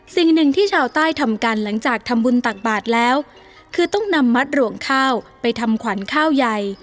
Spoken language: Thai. สิ่งหนึ่งที่ชาวใต้ทำกันหลังจากทำบุญตักบาทแล้วคือต้องนำมัดรวงข้าวไปทำขวัญข้าวใหญ่